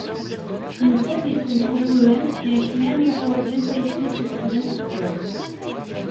Nettat yettenfufuden, yeknan, yuḥwaǧen tayet-is ad tsened fell-as.